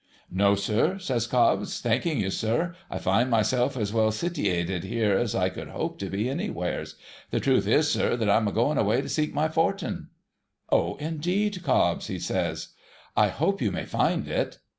' No, sir,' says Cobbs ;' thanking you, sir, I find myself as well sitiwated here as I could hope to be anywheres. The truth is, sir, that I'm a going to seek my fortun'.' ' O, indeed, Cobbs !' he says ;' I hope you may find it.'